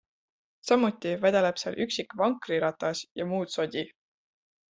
Samuti vedeleb seal üksik vankriratas ja muud sodi.